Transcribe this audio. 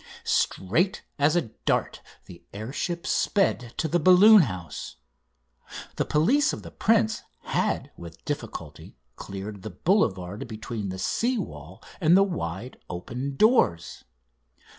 Straight as a dart the air ship sped to the balloon house. The police of the prince had with difficulty cleared the boulevard between the sea wall and the wide open doors.